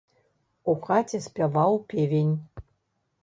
У хаце спяваў певень.